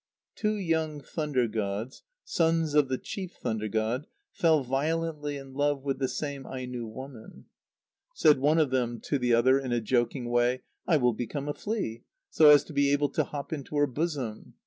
_ Two young thunder gods, sons of the chief thunder god, fell violently in love with the same Aino woman. Said one of them to the other, in a joking way: "I will become a flea, so as to be able to hop into her bosom."